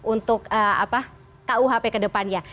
untuk kuhp ke depannya